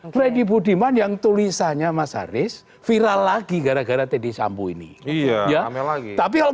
freddy budiman yang tulisannya mas haris viral lagi gara gara teddy sambo ini ya memang tapi kalau